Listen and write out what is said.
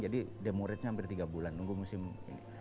jadi demuragenya hampir tiga bulan nunggu musim ini